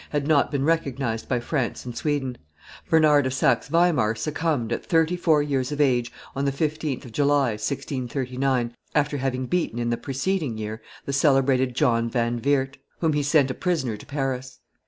had not been recognized by France and Sweden; Bernard of Saxe Weimar succumbed, at thirty four years of age, on the 15th of July, 1639, after having beaten, in the preceding year, the celebrated John van Weert, whom he sent a prisoner to Paris.